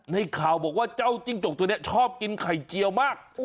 ในข่าวบอกว่าเจ้าจิ้งจกตัวนี้ชอบกินไข่เจียวมาก